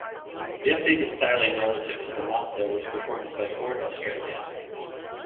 The updated styling relative to the Mazda was performed by Ford Australia.